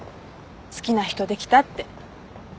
好きな人できたって。